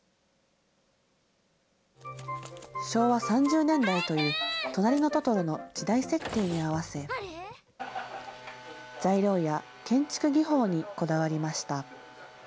昭和３０年代というとなりのトトロの時代設定に合わせ、材料や建築技法にこだわりました。